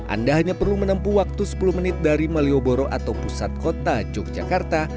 anda hanya perlu menempuh waktu sepuluh menit dari malioboro atau pusat kota yogyakarta